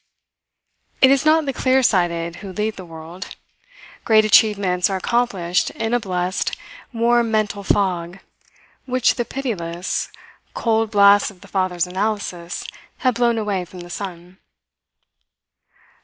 It is not the clear sighted who lead the world. Great achievements are accomplished in a blessed, warm mental fog, which the pitiless cold blasts of the father's analysis had blown away from the son.